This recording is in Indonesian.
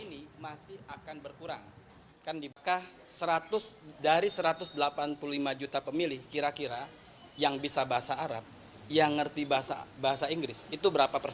ini masih akan berkurang kan dikah seratus dari satu ratus delapan puluh lima juta pemilih kira kira yang bisa bahasa arab yang ngerti bahasa inggris itu berapa